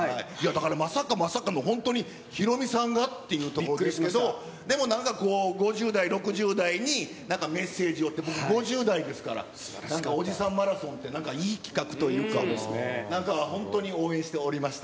だからまさかまさかの本当にヒロミさんが？っていうところでしたけど、でもなんかこう、５０代、６０代になんか、メッセージをって、僕、５０代ですから、なんか、おじさんマラソンって、いい企画というか、なんか本当に応援しておりました。